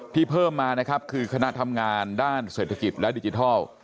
เพิ่มมานะครับคือคณะทำงานด้านเศรษฐกิจและดิจิทัล